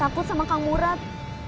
takut sama kang murad